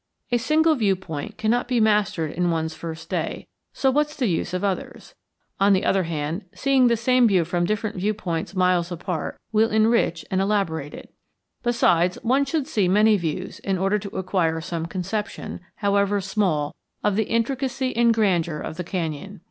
A single viewpoint cannot be mastered in one's first day, so what's the use of others? On the other hand, seeing the same view from different viewpoints miles apart will enrich and elaborate it. Besides, one should see many views in order to acquire some conception, however small, of the intricacy and grandeur of the canyon.